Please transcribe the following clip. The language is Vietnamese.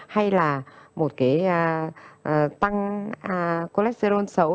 hay là một cái tăng cholesterol xấu